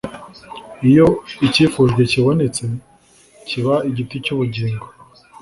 iyo icyifujwe kibonetse kiba igiti cy’ubugingo